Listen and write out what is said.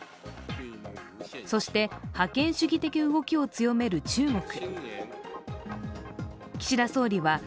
そして、覇権主義的動きを強める中国。